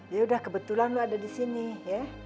yaudah kebetulan lu ada di sini ya